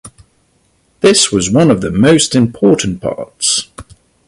This was one of the most important parts.